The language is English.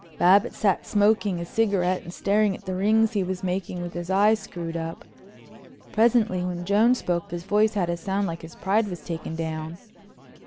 Babbitts sat smoking a cigarette and staring at the rings he was making with his eyes screwed up. Presently, when Jones spoke, his voice had a sound like his pride was taken down.